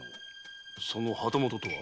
その旗本とは？